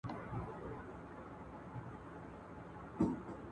زما د مـيـني قـلـندره